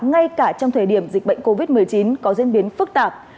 ngay cả trong thời điểm dịch bệnh covid một mươi chín có diễn biến phức tạp